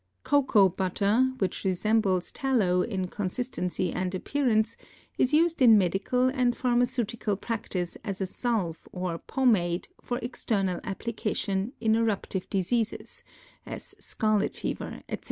Cocoa butter, which resembles tallow in consistency and appearance, is used in medical and pharmaceutical practice as a salve, or pomade, for external application in eruptive diseases, as scarlet fever, etc.